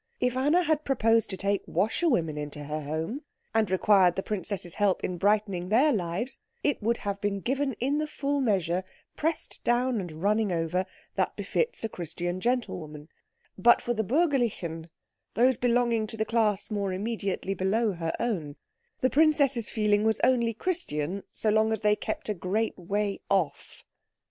If Anna had proposed to take washerwomen into her home, and required the princess's help in brightening their lives, it would have been given in the full measure, pressed down and running over, that befits a Christian gentlewoman; but for the Bürgerlichen, those belonging to the class more immediately below her own, the princess's feeling was only Christian so long as they kept a great way off.